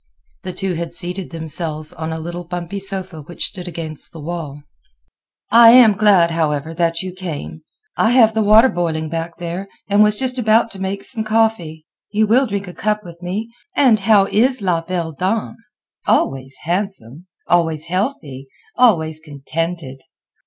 The two had seated themselves on a little bumpy sofa which stood against the wall. "I am glad, however, that you came. I have the water boiling back there, and was just about to make some coffee. You will drink a cup with me. And how is la belle dame? Always handsome! always healthy! always contented!"